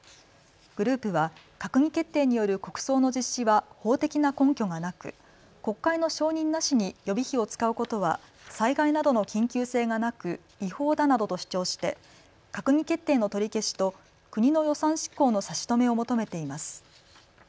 グループは閣議決定による国葬の実施は法的な根拠がなく国会の承認なしに予備費を使うことは災害などの緊急性がなく違法だなどと主張して閣議決定の取り消しと国の予算執行の差し止めを求めています。